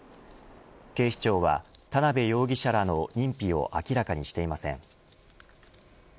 警視庁は田辺容疑者らの認否を明らかにしていません。